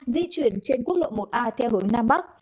di chuyển trên quốc lộ một a theo hướng nam bắc